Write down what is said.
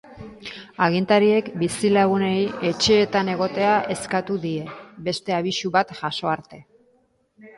Agintariek bizilagunei etxeetan egotea eskatu die, beste abisu bat jaso arte.